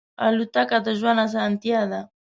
الوتکه د ژوند آسانتیا ده.